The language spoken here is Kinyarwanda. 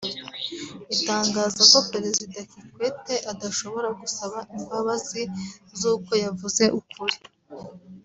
itangaza ko Perezida Kikwete adashobora gusaba imbabazi z’uko yavuze ukuri